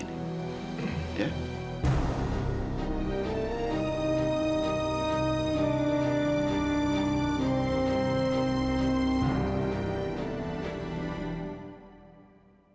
kalau sudah apa yang tracy atakan